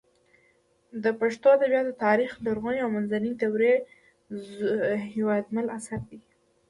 د پښتو ادبیاتو تاریخ لرغونې او منځنۍ دورې د زلمي هېوادمل اثر دی